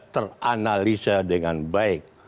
teranalisa dengan baik